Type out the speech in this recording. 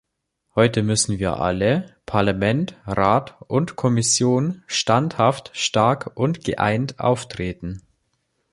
Heute müssen wir alle – Parlament, Rat und Kommission standhaft, stark und geeint auftreten.